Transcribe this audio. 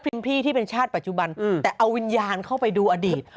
พี่ที่เป็นชาติปัจจุบันแต่เอาวิญญาณเข้าไปดูอดีต